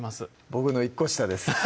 僕の１個下です